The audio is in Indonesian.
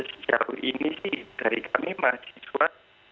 sejauh ini sih dari kami mahasiswa